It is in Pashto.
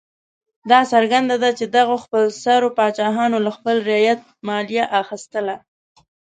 دا څرګنده ده چې دغو خپلسرو پاچاهانو له خپل رعیت مالیه اخیستله.